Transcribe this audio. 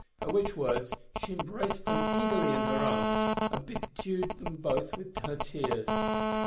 At which words she embraced them eagerly in her arms, and bedewed them both with her tears.